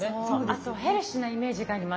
あとヘルシーなイメージがあります。